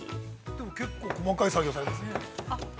でも、結構細かい作業をされています。